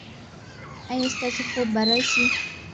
ایا ستاسو خوب به راشي؟